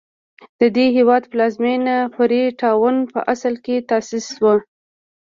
د دې هېواد پلازمېنه فري ټاون په اصل کې تاسیس شوه.